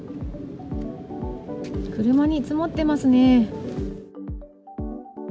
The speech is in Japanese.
車に積もってますね。